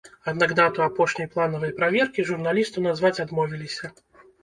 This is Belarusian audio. Аднак дату апошняй планавай праверкі журналісту назваць адмовіліся.